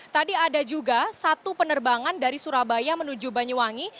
tadi ada juga satu penerbangan dari surabaya menuju banyuwangi